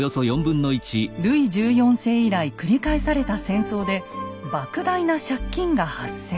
ルイ１４世以来繰り返された戦争で莫大な借金が発生。